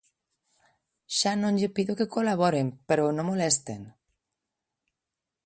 Xa non lle pido que colaboren pero non molesten.